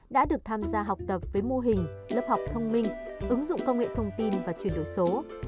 đã được tham gia học tập với mô hình lớp học thông minh ứng dụng công nghệ thông tin và chuyển đổi số